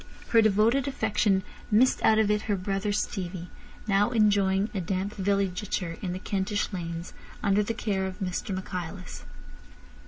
Her devoted affection missed out of it her brother Stevie, now enjoying a damp villegiature in the Kentish lanes under the care of Mr Michaelis.